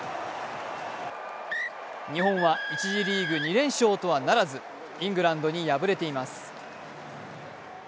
日本は１次リーグ２連勝とはならずイングランドに敗れています。